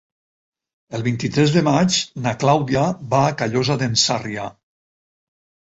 El vint-i-tres de maig na Clàudia va a Callosa d'en Sarrià.